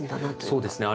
そうですね。